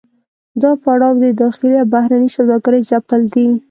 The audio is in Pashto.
دا پړاو د داخلي او بهرنۍ سوداګرۍ ځپل دي